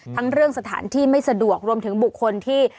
ทั้งเรื่องสถานที่ไม่สะดวกรวมถึงบุคคลที่